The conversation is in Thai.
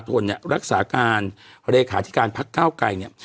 ตุลาธนเนี้ยรักษาการเรขาที่การพักเก้าไกรเนี้ย